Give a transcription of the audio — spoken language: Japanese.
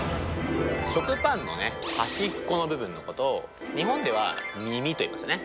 食パンのね端っこの部分のことを日本では耳といいますよね。